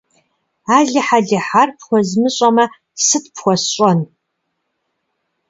Алыхь-алыхь, ар пхуэзмыщӀэмэ, сыт пхуэсщӀэн!